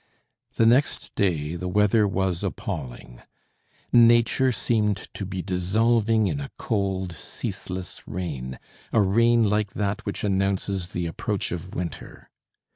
The next day the weather was appalling. Nature seemed to be dissolving in a cold, ceaseless rain a rain like that which announces the approach of winter.